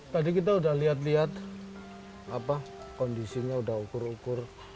tadi kita sudah lihat lihat kondisinya sudah ukur ukur